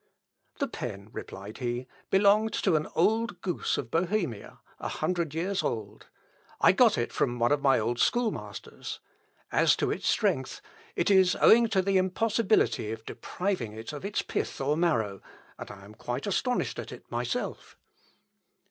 'The pen,' replied he, 'belonged to an old goose of Bohemia, a hundred years old. I got it from one of my old school masters. As to its strength, it is owing to the impossibility of depriving it of its pith or marrow, and I am quite astonished at it myself.'